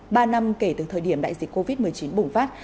ba năm kể từ thời điểm đại dịch covid một mươi chín bùng phát